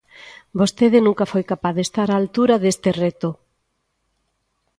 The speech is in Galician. Vostede nunca foi capaz de estar á altura deste reto.